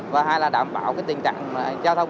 và hai là đảm bảo tình trạng giao thông